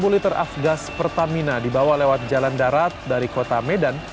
satu liter afgas pertamina dibawa lewat jalan darat dari kota medan